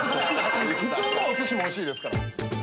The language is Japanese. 普通のお寿司も美味しいですから。